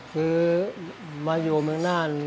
คือมาอยู่เมืองน่าน